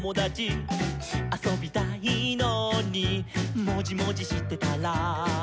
「あそびたいのにもじもじしてたら」